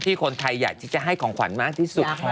คนไทยอยากที่จะให้ของขวัญมากที่สุด